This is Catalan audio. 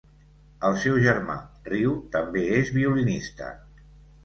El seu germà Ryu també és violinista.